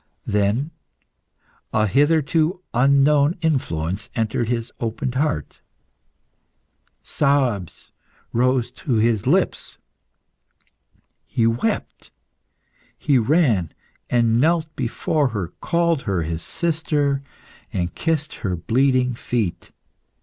Then a hitherto unknown influence entered his opened heart, sobs rose to his lips, he wept, he ran and knelt before her, called her his sister, and kissed her bleeding feet.